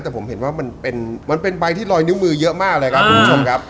แต่ผมเห็นว่ามันเป็นใบที่ลอยนิ้วมือเยอะมากครับ